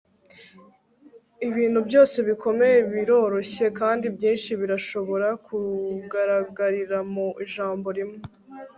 ibintu byose bikomeye biroroshye, kandi byinshi birashobora kugaragarira mu ijambo rimwe